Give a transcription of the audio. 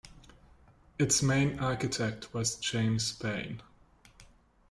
Its main architect was James Pain.